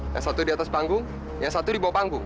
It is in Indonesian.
yang satu di atas panggung yang satu di bawah panggung